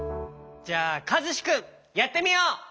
じゃあかずしくんやってみよう！